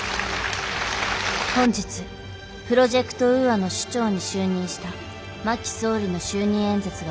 本日プロジェクト・ウーアの首長に就任した真木総理の就任演説が行われた。